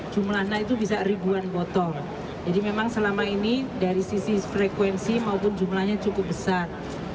jumlahnya itu bisa ribuan botol jadi memang selama ini dari sisi frekuensi maupun jumlahnya cukup besar